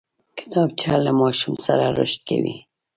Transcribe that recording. کتابچه له ماشوم سره رشد کوي